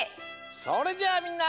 それじゃあみんな！